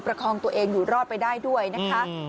คองตัวเองอยู่รอดไปได้ด้วยนะคะ